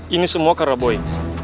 ini semua karena boy